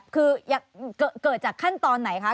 คือเกิดจากขั้นตอนไหนคะ